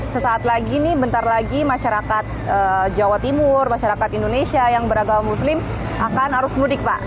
sesaat lagi nih bentar lagi masyarakat jawa timur masyarakat indonesia yang beragama muslim akan arus mudik pak